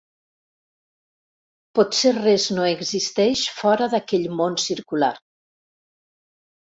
Potser res no existeix fora d'aquell món circular.